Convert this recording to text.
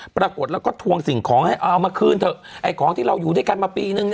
ปรากฏแล้วก็ทวงสิ่งของให้เอามาคืนเถอะไอ้ของที่เราอยู่ด้วยกันมาปีนึง